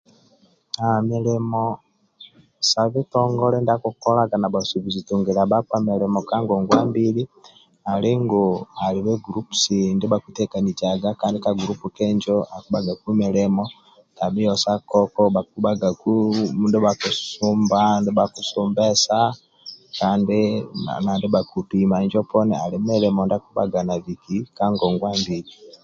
Mulimo sa bitongole ndia akikolaga na bhasubuzi rungilia bhakpa mulimo ka ngongwa mbili ali ngu alibe gulupusi kandi ka gulupu kenjo akibhagagu milimo tabhi eyo sa koko bhakibhagaku ndibha bhakisumba na ndia bhakisumbesa kandi injo poni akibhaga nali mulimo ndia abiki ka ngongwa mbili